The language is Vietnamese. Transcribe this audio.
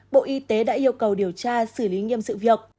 bộ y tế đã yêu cầu điều tra xử lý nghiêm sự việc